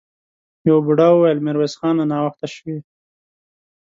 يوه بوډا وويل: ميرويس خانه! ناوخته شوې!